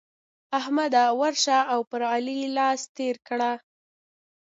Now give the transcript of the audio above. احمده! ورشه او پر علي لاس تېر کړه.